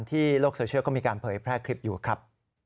โลกโซเชียลก็มีการเผยแพร่คลิปอยู่ครับ